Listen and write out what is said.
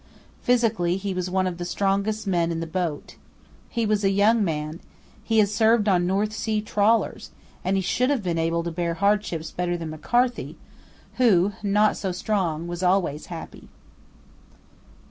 Physically he was one of the strongest men in the boat. He was a young man, he had served on North Sea trawlers, and he should have been able to bear hardships better than McCarthy, who, not so strong, was always happy.